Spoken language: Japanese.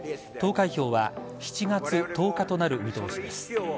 投開票は７月１０日となる見通しです。